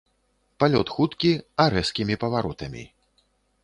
Палёт хуткі а рэзкімі паваротамі.